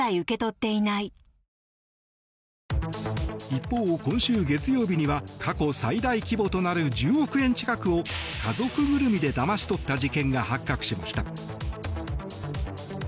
一方、今週月曜日には過去最大規模となる１０億円近くを家族ぐるみでだまし取った事件が発覚しました。